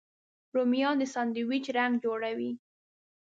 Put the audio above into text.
رومیان د ساندویچ رنګ جوړوي